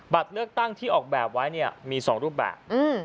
บัตรเลือกตั้งที่ออกแบบไว้เนี่ยมีสองรูปแบบอืม